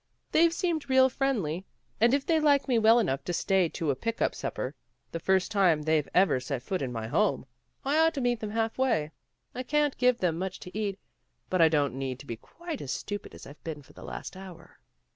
They've seemed real friendly and if they like me well enough to stay to a pick up supper, the first time they've ever set foot in my home, I ought to meet them half way. I can't give them much to eat, but I don't need to be quite as stupid as I've been for the last hour."